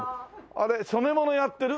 あれ染め物やってる？